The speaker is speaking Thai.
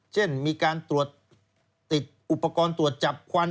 เช่นมีการตรวจติดอุปกรณ์ตรวจจับควัน